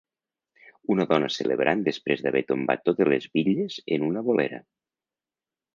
Una dona celebrant després d'haver tombat totes les bitlles en una "bolera".